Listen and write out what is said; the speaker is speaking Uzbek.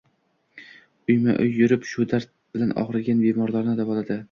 Uyma-uy yurib shu dard bilan ogʻrigan bemorlarni davoladi.